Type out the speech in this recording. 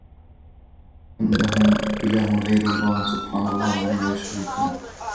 أَمْ لَهُمْ إِلَهٌ غَيْرُ اللَّهِ سُبْحَانَ اللَّهِ عَمَّا يُشْرِكُونَ